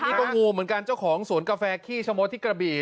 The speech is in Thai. นี่ก็งูเหมือนกันเจ้าของสวนกาแฟขี้ชะมดที่กระบี่